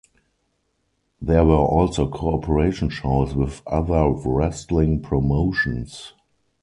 There were also cooperation shows with other wrestling promotions.